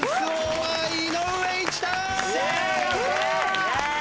はい。